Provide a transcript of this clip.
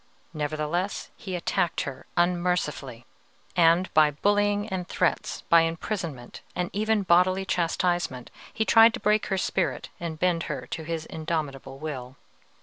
Nevertheless, he attacked her unmercifully, and, by bullying and threats, by imprisonment, and even bodily chastisement, he tried to break her spirit and bend her to his indomitable will.